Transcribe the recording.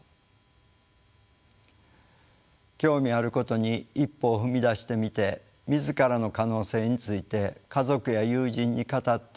興味あることに一歩を踏み出してみて自らの可能性について家族や友人に語って聞いてもらう。